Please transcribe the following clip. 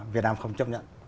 việt nam không chấp nhận